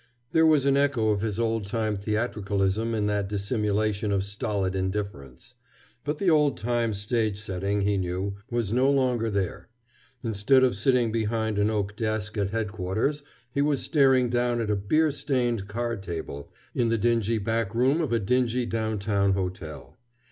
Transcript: There was an echo of his old time theatricalism in that dissimulation of stolid indifference. But the old time stage setting, he knew, was no longer there. Instead of sitting behind an oak desk at Headquarters, he was staring down at a beer stained card table in the dingy back room of a dingy downtown hotel.